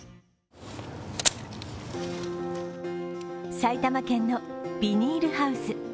埼玉県のビニールハウス。